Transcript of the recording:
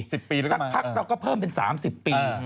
สักพักเราก็เพิ่มเป็น๓๐ปี